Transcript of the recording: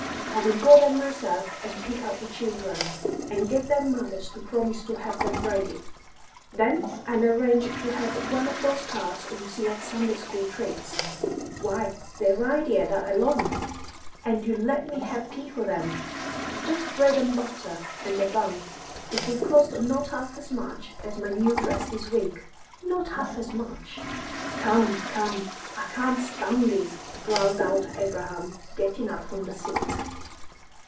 I will go there myself, and pick out the children, and get their mothers to promise to have them ready. Then I'll arrange to have one of those carts you see at Sunday school treats. Why, the ride here, that alone! And you'll let me have tea for them, just bread and butter and a bun, it will cost not half as much as my new dress this week, not half as much " "Come, come, I can't stand this!" growled out Abraham, getting up from the seat.